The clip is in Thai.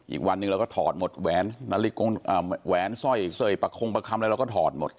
อีกวันหนึ่งเราก็ถอดหมดแวนซ่อยประคงประคำและเราก็ถอดหมด